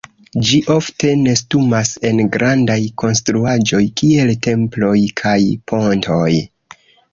Ĝi ofte nestumas en grandaj konstruaĵoj kiel temploj kaj pontoj.